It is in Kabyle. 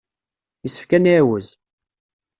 Yessefk ad nɛiwez.